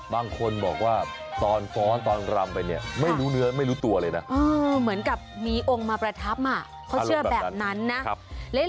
บางคนบอกว่าตอนฟ้อนตอนรำไปเนี่ยไม่รู้เนื้อไม่รู้ตัวเลยนะเหมือนกับมีองค์มาประทับเขาเชื่อแบบนั้นนะ